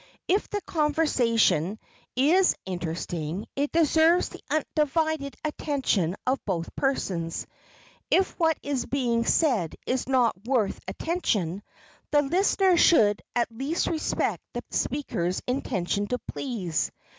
If the conversation is interesting, it deserves the undivided attention of both persons; if what is being said is not worth attention, the listener should at least respect the speaker's intention to please.